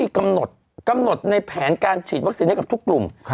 กำหนดกำหนดในแผนการฉีดวัคซีนให้กับทุกกลุ่ม